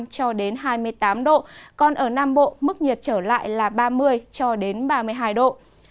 hai mươi năm cho đến hai mươi tám độ còn ở nam bộ mức nhiệt trở lại là ba mươi cho đến ba mươi hai độ